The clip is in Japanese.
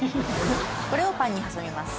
これをパンに挟みます。